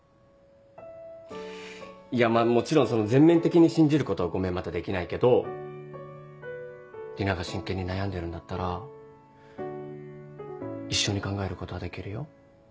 いやまぁもちろんその全面的に信じることはごめんまだできないけど里奈が真剣に悩んでるんだったら一緒に考えることはできるよ